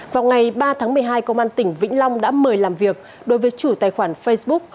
vào ngày ba tháng một mươi hai công an tỉnh vĩnh long đã mời làm việc đối với chủ tài khoản facebook